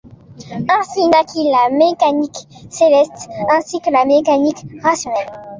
Ainsi naquit la mécanique céleste, ainsi que la mécanique rationnelle.